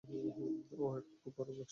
ওহ, এখন খুব খারাপ লাগছে।